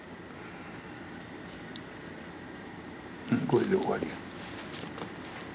これで終わりや。